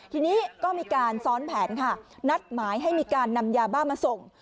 ทีนี้ก็มีการซ้อนแผนค่ะนัดหมายให้มีการนำยาบ้ามาส่ง